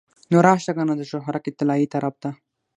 نو راشه کنه د شهرک طلایې طرف ته.